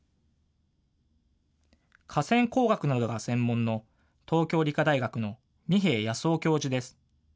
河川工学などが専門の東京理科大学の二瓶泰雄教授です。